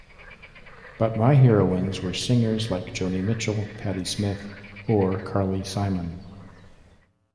But my heroines were singers like Joni Mitchell, Patti Smith or Carly Simon.